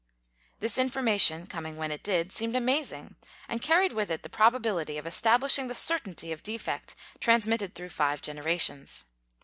This information, coming when it did, seemed amaz ing and carried with it the probability of establishing the certainty of defect transmitted through five genera tions.